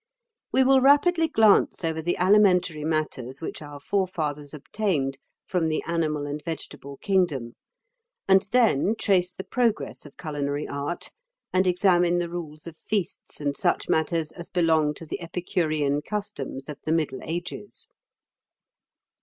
We will rapidly glance over the alimentary matters which our forefathers obtained from the animal and vegetable kingdom, and then trace the progress of culinary art, and examine the rules of feasts and such matters as belong to the epicurean customs of the Middle Ages.